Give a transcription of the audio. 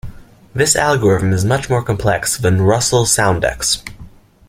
This algorithm is much more complex than Russell Soundex.